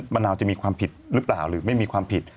มะนาวจะมีความผิดหรือเปล่าหรือไม่มีความผิด